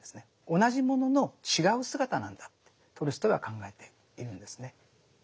同じものの違う姿なんだとトルストイは考えているんですね。